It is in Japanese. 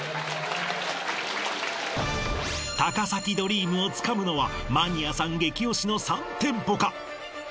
高崎ドリームをつかむのはマニアさん激オシの３店舗か？